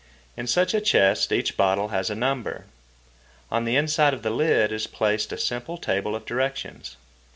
In such a chest each bottle has a number. On the inside of the lid is placed a simple table of directions: No.